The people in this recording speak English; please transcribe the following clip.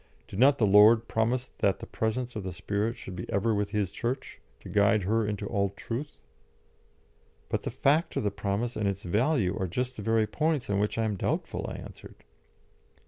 Did not the Lord promise that the presence of the Spirit should be ever with His Church, to guide her into all truth?" "But the fact of the promise and its value are just the very points on which I am doubtful," I answered.